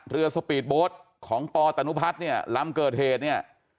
สปีดโบสต์ของปตนุพัฒน์เนี่ยลำเกิดเหตุเนี่ย